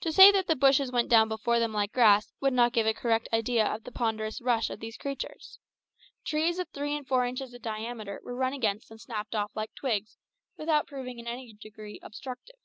To say that the bushes went down before them like grass would not give a correct idea of the ponderous rush of these creatures. Trees of three and four inches diameter were run against and snapped off like twigs, without proving in any degree obstructive.